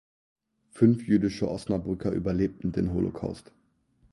Fünf jüdische Osnabrücker überlebten den Holocaust.